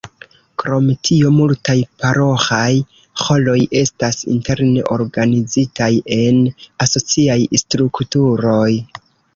Krom tio multaj paroĥaj ĥoroj estas interne organizitaj en asociaj strukturoj.